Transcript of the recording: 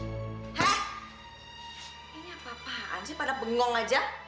ini apa apaan sih pada bengong aja